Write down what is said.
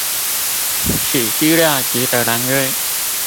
此資料集的欄位